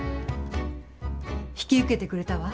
引き受けてくれたわ。